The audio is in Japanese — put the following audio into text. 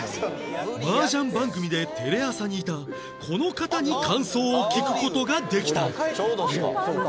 麻雀番組でテレ朝にいたこの方に感想を聞く事ができた